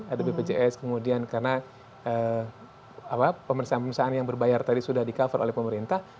ada bpjs kemudian karena pemeriksaan pemeriksaan yang berbayar tadi sudah di cover oleh pemerintah